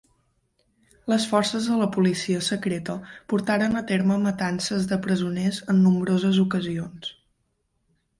Les forces de la policia secreta portaren a terme matances de presoners en nombroses ocasions.